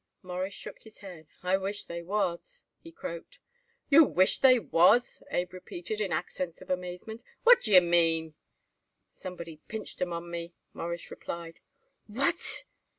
Morris shook his head. "I wish they was," he croaked. "You wish they was!" Abe repeated in accents of amazement. "What d'ye mean?" "Somebody pinched 'em on me," Morris replied. "What!"